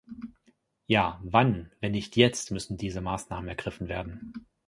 Ja, wann, wenn nicht jetzt, müssen diese Maßnahmen ergriffen werden?